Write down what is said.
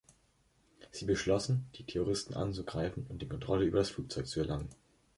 Sie beschlossen, die Terroristen anzugreifen und die Kontrolle über das Flugzeug zu erlangen.